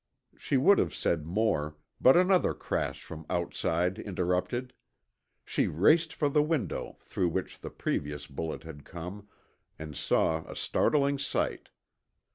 She would have said more, but another crash from outside interrupted. She raced for the window through which the previous bullet had come, and saw a startling sight.